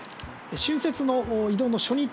春節の移動の初日